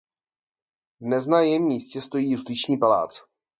Dnes na jejím místě stojí justiční palác.